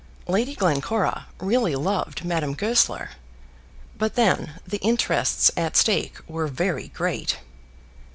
Lady Glencora really loved Madame Goesler. But then the interests at stake were very great!